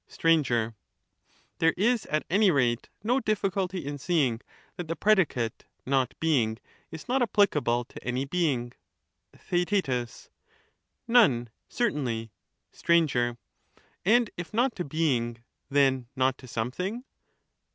Str. There is at any rate no difficulty in seeing that the Certainly predicate 'not being* is not applicable to any being. not of any Theaet. None, certainly. Str. And if not to being, then not to something.